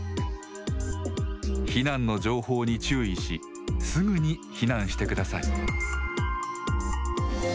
避難の情報に注意しすぐに避難してください。